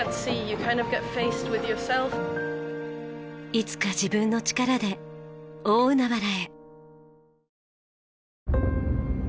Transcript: いつか自分の力で大海原へ！